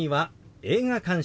「映画鑑賞」。